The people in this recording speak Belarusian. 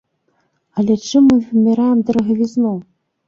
Але чым мы вымяраем дарагавізну?